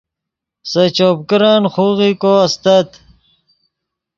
سے چوپ کرن خوغیکو استت